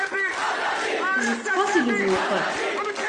Ẓeṭṭef-as lbuq.